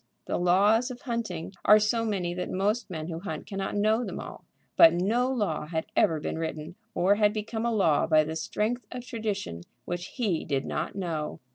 The laws of hunting are so many that most men who hunt cannot know them all. But no law had ever been written, or had become a law by the strength of tradition, which he did not know.